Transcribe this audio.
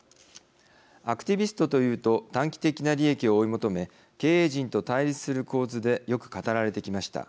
アクティビストと言うと短期的な利益を追い求め経営陣と対立する構図でよく語られてきました。